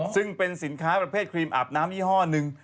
ซึ่งเป็นสินค้าประเภทครีมอาบน้ำยี่ห้อหนึ่ง